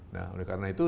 nah oleh karena itu